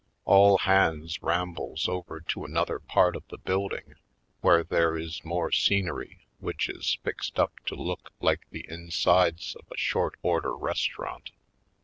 All hands rambles over to another part of the build ing where there is more scenery which is fixed up to look like the insides of a short order restaurant.